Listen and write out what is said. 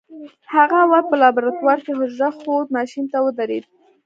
هغه اول په لابراتوار کې حجره ښود ماشين ته ودرېد.